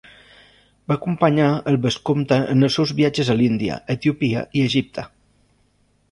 Va acompanyar el vescomte en els seus viatges a l'Índia, Etiòpia i Egipte.